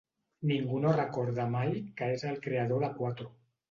Ningú no recorda mai que és el creador de Quatro.